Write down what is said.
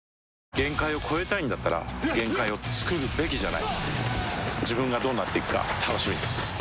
限界を越えたいんだったら限界をつくるべきじゃない自分がどうなっていくか楽しみです